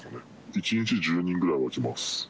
１日１０人ぐらいは来ます。